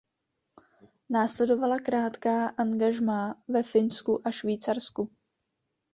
Následovala krátká angažmá ve Finsku a Švýcarsku.